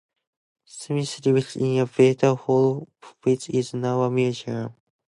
Smith lived in Liberty Hall which is now a museum.